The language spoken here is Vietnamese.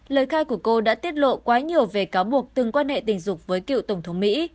lời khai của cô đã tiết lộ quá nhiều về cáo buộc từng quan hệ tình dục với cựu tổng thống mỹ